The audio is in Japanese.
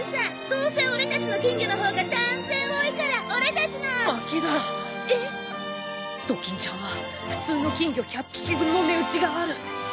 どうせオレたちの金魚のほうが断然多いからオレたちの。負けだ。えっ？怒金ちゃんは普通の金魚１００匹分の値打ちがある。